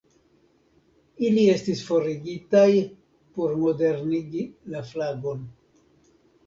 Ili estis forigitaj por modernigi la flagon.